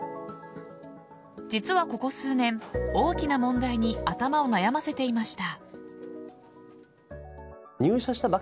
実は、ここ数年大きな問題に頭を悩ませていました。